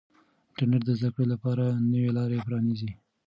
انټرنیټ د زده کړې لپاره نوې لارې پرانیزي.